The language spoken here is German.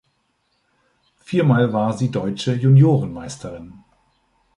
Viermal war sie Deutsche Juniorenmeisterin.